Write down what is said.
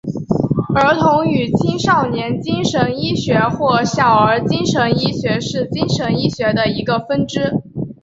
儿童与青少年精神医学或小儿精神医学是精神医学的一个分支。